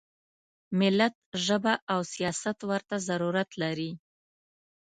ملت ژبه او سیاست ورته ضرورت لري.